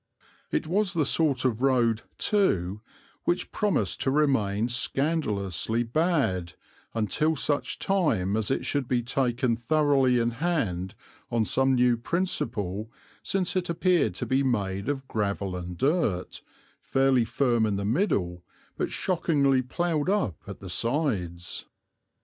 It was the sort of road, too, which promised to remain scandalously bad, until such time as it should be taken thoroughly in hand on some new principle, since it appeared to be made of gravel and dirt, fairly firm in the middle, but shockingly ploughed up at the sides.